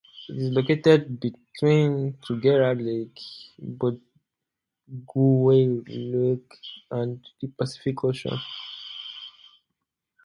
It is located between Tuggerah Lake, Budgewoi Lake, and the Pacific Ocean.